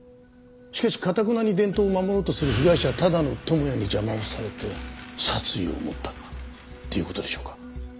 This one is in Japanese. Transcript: しかしかたくなに伝統を守ろうとする被害者多田野智也に邪魔をされて殺意を持ったっていう事でしょうか。